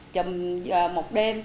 chùm một đêm